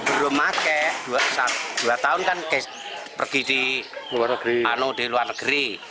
belum pakai dua tahun kan pergi di luar negeri